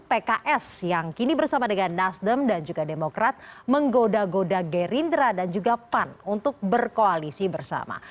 pks yang kini bersama dengan nasdem dan juga demokrat menggoda goda gerindra dan juga pan untuk berkoalisi bersama